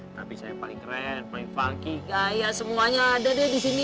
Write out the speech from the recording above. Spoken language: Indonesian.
tapi saya paling keren paling falky kaya semuanya ada deh di sini